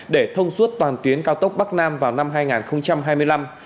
để thông suốt toàn tuyến cao tốc bắc nam vào năm hai nghìn hai mươi năm